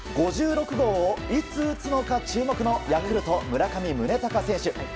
５６号をいつ打つのか注目のヤクルト、村上宗隆選手。